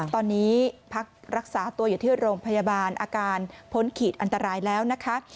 ตอนนี้พักรักษาตัวอยู่ที่โรงพยาบาลอาการพ้นขีดอันตรายแล้วนะคะ